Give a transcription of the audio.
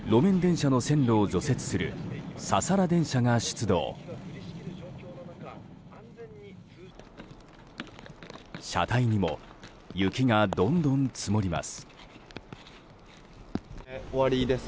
車体にも雪がどんどん積もります。